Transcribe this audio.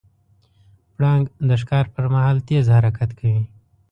پړانګ د ښکار پر مهال تیز حرکت کوي.